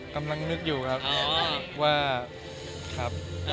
กำลังนึกอยู่ครับว่าครับ